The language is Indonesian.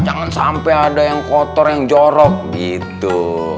jangan sampai ada yang kotor yang jorok gitu